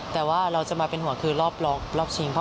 แต่ว่าเราจะมาเป็นห่วงคือรอบชิง